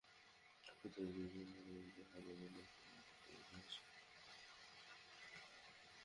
প্রতিনিয়ত পৃথিবীর নানান প্রান্ত থেকে হাজার হাজার মানুষকে কাছে টেনে নিয়ে আসে।